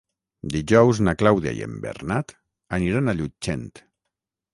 Dijous na Clàudia i en Bernat aniran a Llutxent.